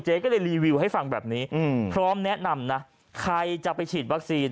ก็เลยรีวิวให้ฟังแบบนี้พร้อมแนะนำนะใครจะไปฉีดวัคซีน